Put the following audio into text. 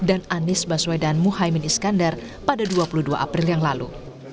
dan anies baswedan muhaymin iskandar pada dua puluh dua april yang lalu